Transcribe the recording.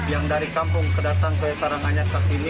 yang dari kampung kedatang ke tarangan yarkar kini